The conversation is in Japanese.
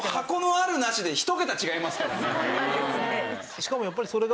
しかもやっぱりそれが